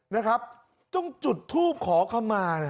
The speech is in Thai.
นะครับต้องจุดทูบขอเข้ามา